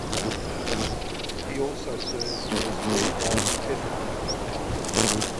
He also served as reeve of Ethelbert for a time.